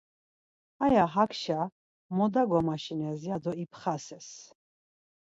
Haya hakşa moda gomaşines ya do ipxases.